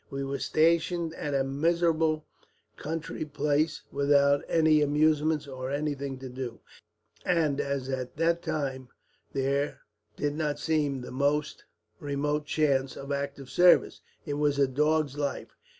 We were stationed at a miserable country place, without any amusements or anything to do; and as at that time there did not seem the most remote chance of active service, it was a dog's life.